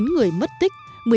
chín người mất tích